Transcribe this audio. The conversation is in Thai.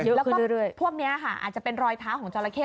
แล้วก็พวกนี้ค่ะอาจจะเป็นรอยเท้าของจราเข้